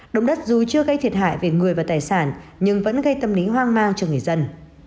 động đất dù chưa gây thiệt hại về người và tài sản nhưng vẫn gây tâm lý hoang mang cho người dân